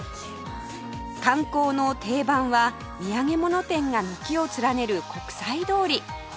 観光の定番は土産物店が軒を連ねる国際通り